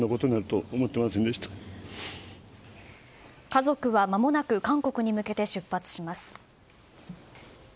家族はまもなく韓国に向けて出発します。